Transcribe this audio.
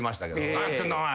何やってんだお前！